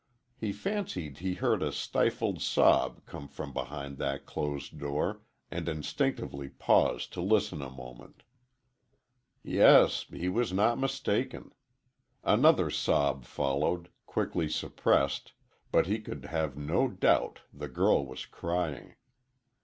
He fancied he heard a stifled sob come from behind that closed door, and instinctively paused to listen a moment. Yes, he was not mistaken. Another sob followed, quickly suppressed, but he could have no doubt the girl was crying.